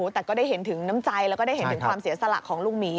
แต่ก็ได้เห็นถึงน้ำใจและความเสียสละของลุงหมี